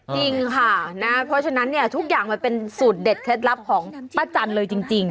จริงค่ะนะเพราะฉะนั้นเนี่ยทุกอย่างมันเป็นสูตรเด็ดเคล็ดลับของป้าจันเลยจริง